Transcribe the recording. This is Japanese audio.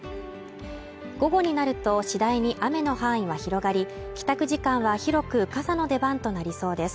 午後になると次第に雨の範囲は広がり、帰宅時間は広く傘の出番となりそうです。